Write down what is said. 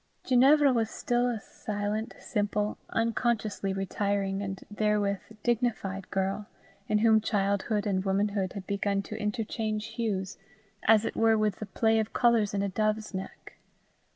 Ginevra was still a silent, simple, unconsciously retiring, and therewith dignified girl, in whom childhood and womanhood had begun to interchange hues, as it were with the play of colours in a dove's neck.